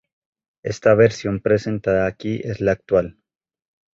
Esta versión presentada aquí es la actual.